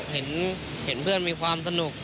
เห็นเพื่อนมีความสนุก